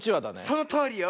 そのとおりよ。